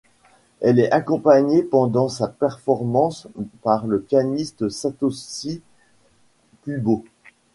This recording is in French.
Elle est accompagnée pendant sa performance par le pianiste Satoshi Kubo.